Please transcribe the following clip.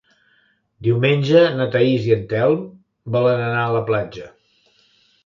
Diumenge na Thaís i en Telm volen anar a la platja.